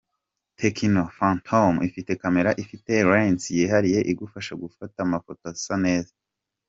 Tecno Phantom ifite camera ifite lens yihariye igufasha gufata amafoto asa neza.